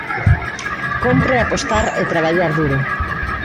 Compre apostar e traballar duro.